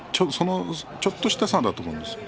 ちょっとした差だということです。